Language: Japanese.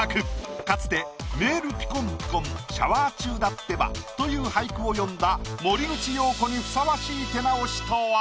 かつて「メールぴこんぴこんシャワー中だってば」という俳句を詠んだ森口瑤子にふさわしい手直しとは？